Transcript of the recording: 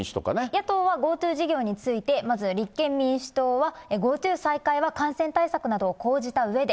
野党はＧｏＴｏ事業について、まず立憲民主党は、ＧｏＴｏ再開は、感染対策などを講じたうえで。